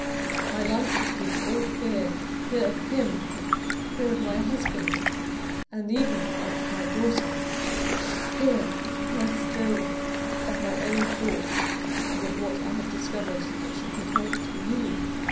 My life has been all fear fear of him; fear of my husband, and even of my daughter; fear, worse still, of my own thoughts, and of what I had discovered that should be told to _you.